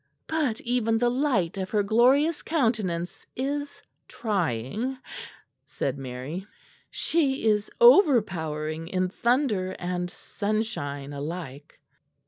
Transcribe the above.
"But even the light of her glorious countenance is trying," said Mary. "She is overpowering in thunder and sunshine alike."